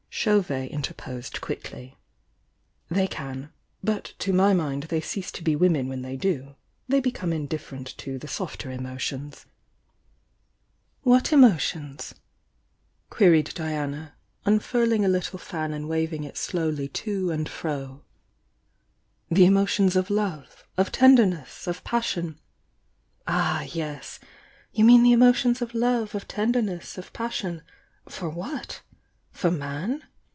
Chauvet interposed quickly. "They can,— but to my mind they cease to be women when they do. They Isecome indifferent to the softer emotions " "What emotions?" queried Diana, unfurling a little fan and waving it slowly to and fro. THK VOUN(; DIANA 1.53 "The emotions of love, — of tenderness,— of pas sion " "Ah, yes! You mean the emotions of love, of ten derness, of passion — for what? For man?